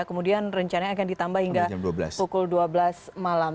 kemudian rencana akan ditambah hingga pukul dua belas malam